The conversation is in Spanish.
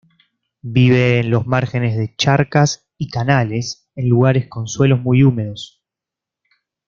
Vive en los márgenes de charcas y canales, en lugares con suelos muy húmedos.